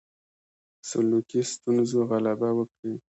سلوکي ستونزو غلبه وکړي.